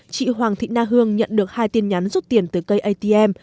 chị hoàng thị na hương nhận được hai tin nhắn rút tiền từ cây atm